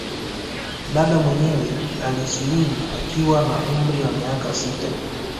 Dada mwenyewe alisilimu akiwa na umri wa miaka sita